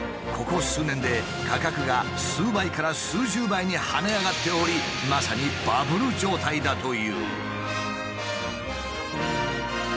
ここ数年で価格が数倍から数十倍に跳ね上がっておりまさにバブル状態だという。